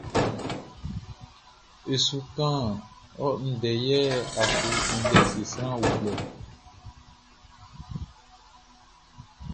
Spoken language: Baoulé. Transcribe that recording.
E su kan ɔ ndɛ yɛ a su index sran uflɛ.